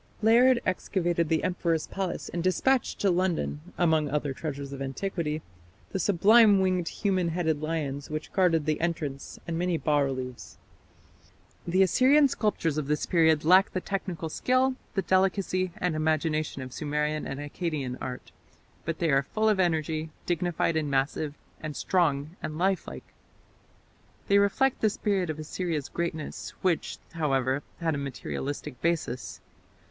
Layard excavated the emperor's palace and dispatched to London, among other treasures of antiquity, the sublime winged human headed lions which guarded the entrance, and many bas reliefs. The Assyrian sculptures of this period lack the technical skill, the delicacy and imagination of Sumerian and Akkadian art, but they are full of energy, dignified and massive, and strong and lifelike. They reflect the spirit of Assyria's greatness, which, however, had a materialistic basis.